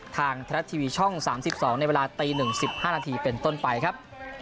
ทางไทยรัฐทีวีช่อง๓๒ในเวลาตี๑๕นาทีเป็นต้นไปครับ